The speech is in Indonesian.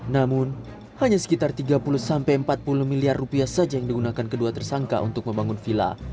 namun hanya sekitar tiga puluh sampai empat puluh miliar rupiah saja yang digunakan kedua tersangka untuk membangun vila